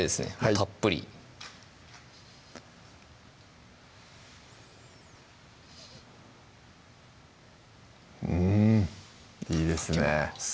たっぷりうんいいですね